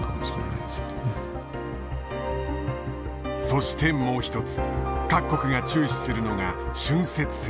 そしてもう一つ各国が注視するのが浚渫船だ。